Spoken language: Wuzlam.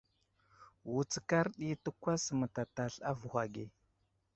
Wutskar ɗi təkwas mətatasl avohw age.